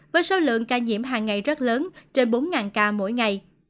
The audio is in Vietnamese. với số lượng ca nhiễm hàng ngày rất lớn trên bốn ca mỗi ngày